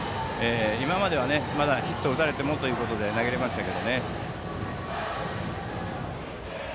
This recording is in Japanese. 今まではまだヒットを打たれてもということで投げられましたが。